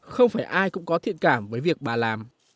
không phải ai cũng có thiện cảm với việc bà làm